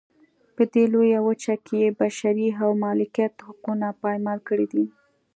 په دې لویه وچه کې یې بشري او مالکیت حقونه پایمال کړي دي.